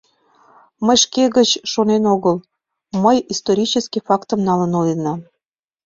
— Мый шке гыч шонен огыл, мый исторический фактым налын ойленам.